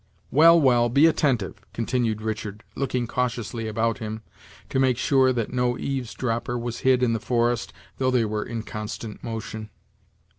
"Well, well, be attentive," continued Richard, looking cautiously about him, to make certain that no eavesdropper was hid in the forest, though they were in constant motion.